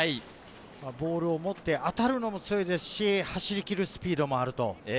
ボールを持って当たるのも強いですし、走り切るスピードもある。